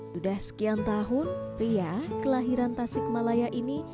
sudah sekian tahun pria kelahiran tasik malaya ini